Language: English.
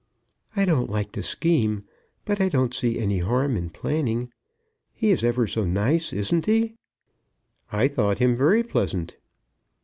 "I don't like to scheme, but I don't see any harm in planning. He is ever so nice, isn't he?" "I thought him very pleasant."